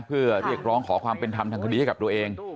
เพื่อเรียกร้องขอความเป็นธรรมทางคดีให้กับตัวเอง